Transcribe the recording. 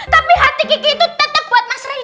tapi hati kiki itu tetep buat mas reddy